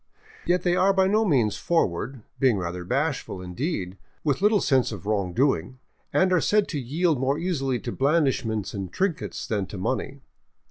Yet they are by no means forward, being rather bashful, indeed, with little sense of wrong doing, and are said to yield more easily to blandishments and trinkets than to money.